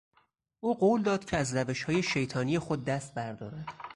او قول داد که از روشهای شیطانی خود دست بردارد.